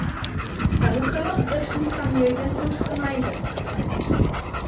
Chanukka wird in Familien und Gemeinden gefeiert.